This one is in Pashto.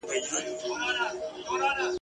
او تقریباً د خوښۍ ..